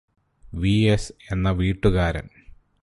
V S എന്ന വീട്ടുകാരൻ